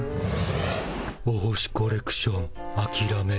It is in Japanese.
お星コレクションあきらめる？